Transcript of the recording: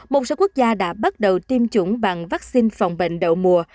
một số quốc gia đã bắt đầu tiêm chủng bằng vaccine phòng bệnh đậu mùa